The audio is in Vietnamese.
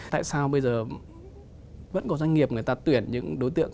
tại sao bây giờ vẫn có doanh nghiệp người ta tuyển những đối tượng